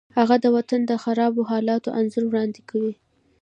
هغه د وطن د خرابو حالاتو انځور وړاندې کوي